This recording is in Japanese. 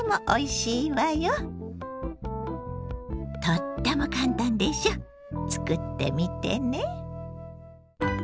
とっても簡単でしょ作ってみてね。